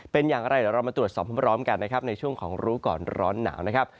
เป็นอย่างไรเดี๋ยวเรามาตรวจสอบพร้อมกันนะครับในช่วงของรู้ก่อนร้อนหนาวนะครับ